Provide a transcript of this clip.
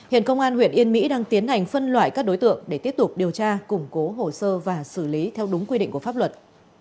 hiện công an huyện yên mỹ đang tiến hành phân loại các đối tượng để tiếp tục điều tra củng cố hồ sơ và xử lý theo đúng quy định của pháp luật